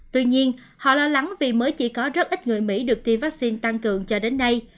tuy nhiên họ lo lắng vì mới chỉ có rất ít người mỹ được tiêm vaccine tăng cường cho đến nay